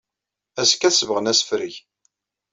Azekka ad sebɣen asefreg.